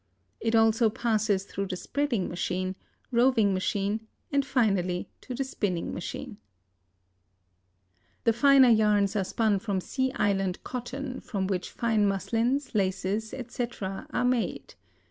It also passes through the spreading machine, roving machine and finally to the spinning machine. The finer yarns are spun from Sea Island cotton, from which fine muslins, laces, etc., are made.